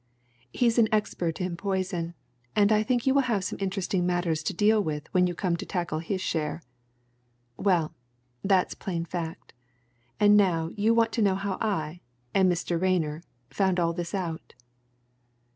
He's an expert in poison and I think you will have some interesting matters to deal with when you come to tackle his share. Well, that's plain fact; and now you want to know how I and Mr. Rayner found all this out."